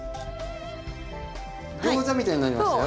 ギョーザみたいになりましたよ。